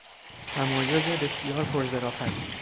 تمایز بسیار پرظرافت